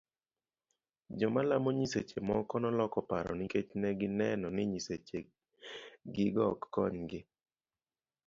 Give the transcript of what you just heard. Joma nelamo nyiseche moko noloko paro nikech negi neno ni nyiseche gigo ok konygi.